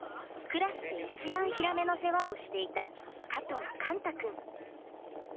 クラスで一番ヒラメの世話をしていた加藤かんた君。